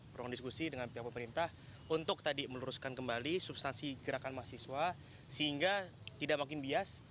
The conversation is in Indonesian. berkondisikusi dengan pihak pemerintah untuk tadi meluruskan kembali substansi gerakan mahasiswa sehingga tidak makin bias